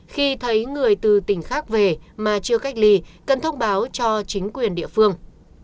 khi thấy người từ tỉnh khác về mà chưa cách ly cần thông báo cho chính quyền địa phương